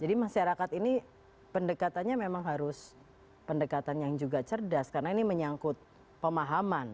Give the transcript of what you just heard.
jadi masyarakat ini pendekatannya memang harus pendekatan yang juga cerdas karena ini menyangkut pemahaman